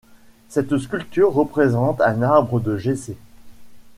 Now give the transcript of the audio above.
Cette sculpture représente un arbre de Jessé.